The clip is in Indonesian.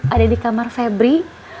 ada di kamar febri